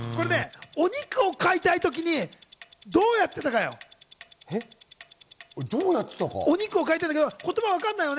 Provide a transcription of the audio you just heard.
お肉を買いたいときにどうやっていたかよ。